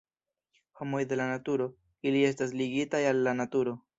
Homoj de la naturo, ili estas ligitaj al la naturo.